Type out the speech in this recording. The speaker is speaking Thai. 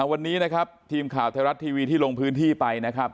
วันนี้นะครับทีมข่าวไทยรัฐทีวีที่ลงพื้นที่ไปนะครับ